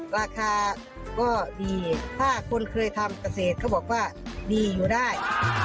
ราคาก็ดีถ้าคนเคยทำเกษตรเขาบอกว่าดีอยู่ได้